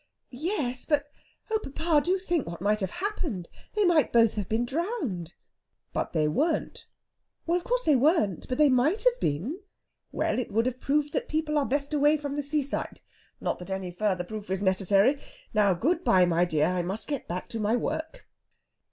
Yes, but oh, papa, do think what might have happened! They might both have been drowned." "But they weren't!" "Of course they weren't! But they might have been." "Well, it would have proved that people are best away from the seaside. Not that any further proof is necessary. Now, good bye, my dear; I must get back to my work."